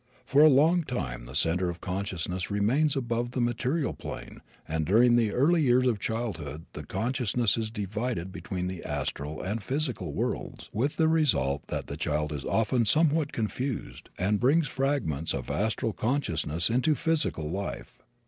For a long time the center of consciousness remains above the material plane and during the early years of childhood the consciousness is divided between the astral and physical worlds, with the result that the child is often somewhat confused and brings fragments of astral consciousness into physical life.